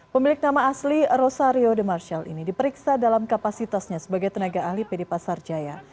pemilik nama asli rosario de marshal ini diperiksa dalam kapasitasnya sebagai tenaga ahli pd pasar jaya